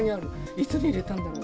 いつ入れたんだろう。